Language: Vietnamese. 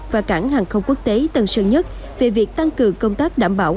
và cảng hàng không quốc tế tân sơn nhất về việc tăng cường công tác đảm bảo